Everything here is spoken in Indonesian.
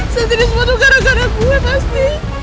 saat ini semua tuh gara gara gue pasti